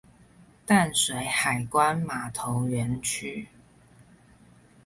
淡水海關碼頭園區